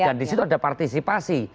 dan di situ ada partisipasi